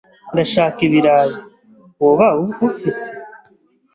Ndashaka ibirayi. Woba ufise?